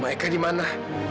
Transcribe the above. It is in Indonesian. eka di mana